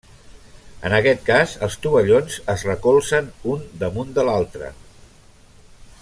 En aquest cas, els tovallons es recolzen un damunt de l'altre.